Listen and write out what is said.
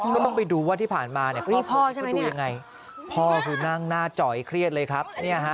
ก็ต้องไปดูว่าที่ผ่านมาพ่อหน้าจ่อยเครียดเลยครับ